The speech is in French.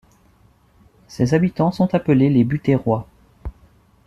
Ses habitants sont appelés les Butherois.